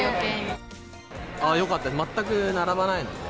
よかったです、全く並ばないので。